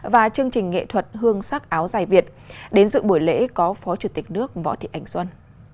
và chương trình nghệ thuật hương sắc áo dài việt đến dự buổi lễ có phó chủ tịch nước võ thị ánh xuân